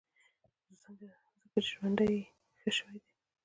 ځکه چې ژوند یې ښه شوی دی.